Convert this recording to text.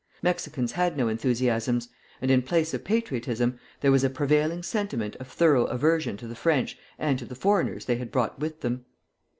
Mexicans had no enthusiasms; and in place of patriotism there was a prevailing sentiment of thorough aversion to the French and to the foreigners they had brought with them.